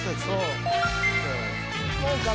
そう。